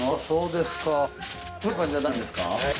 そうですね。